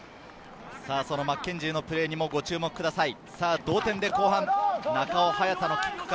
マッケンジーのプレーにもご注目ください。